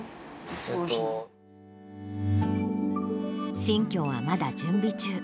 新居はまだ準備中。